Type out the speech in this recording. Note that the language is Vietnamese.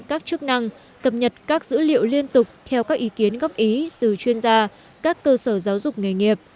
các chức năng cập nhật các dữ liệu liên tục theo các ý kiến góp ý từ chuyên gia các cơ sở giáo dục nghề nghiệp